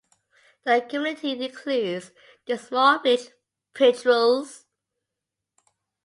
The community includes the small village Petroules.